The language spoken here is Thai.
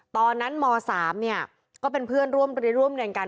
ตอนนั้นม๓เนี่ยก็เป็นเพื่อนร่วมเรียนร่วมเหมือนกัน